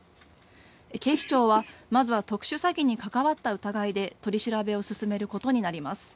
警視庁は、まずは特殊詐欺に関わった疑いで取り調べを進めることになります。